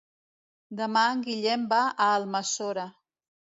Demà en Guillem va a Almassora.